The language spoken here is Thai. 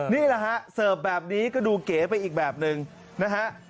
นี่แหละฮะเสิร์ฟแบบนี้ก็ดูเก๋ไปอีกแบบหนึ่งนะฮะ